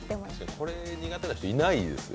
これ苦手な人いないですよ。